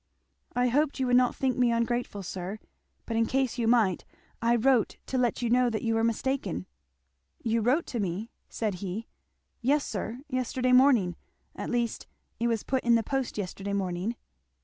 "I hoped you would not think me ungrateful, sir, but in case you might, I wrote to let you know that you were mistaken." "You wrote to me!" said he. "Yes, sir yesterday morning at least it was put in the post yesterday morning."